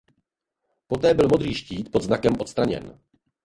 Poté byl modrý štít pod znakem odstraněn.